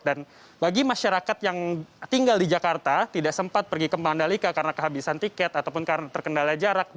dan bagi masyarakat yang tinggal di jakarta tidak sempat pergi ke mandalika karena kehabisan tiket ataupun karena terkendala jarak